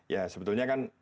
ya sebetulnya kan